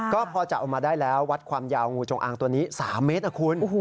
ก็พอจับออกมาได้แล้ววัดความยาวงูจงอางตัวนี้๓เมตรนะคุณ